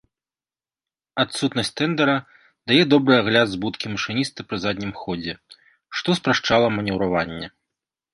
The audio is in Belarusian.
Адсутнасць тэндара дае добры агляд з будкі машыніста пры заднім ходзе, што спрашчала манеўраванне.